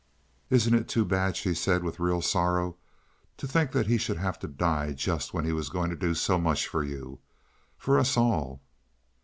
"Isn't it too bad?" she said, with real sorrow. "To think that he should have to die just when he was going to do so much for you—for us all."